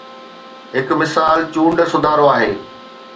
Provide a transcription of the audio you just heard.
هڪ مثال چونڊ سڌارو آهي.